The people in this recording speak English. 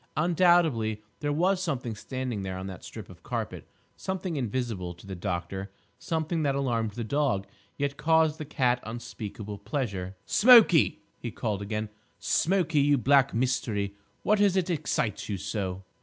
Undoubtedly, there was something standing there on that strip of carpet, something invisible to the doctor, something that alarmed the dog, yet caused the cat unspeakable pleasure. "Smokie!" he called again, "Smokie, you black mystery, what is it excites you so?"